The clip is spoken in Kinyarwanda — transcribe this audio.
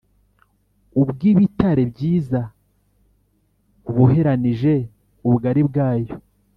ubw ibitare byiza buboheranije Ubugari bwayo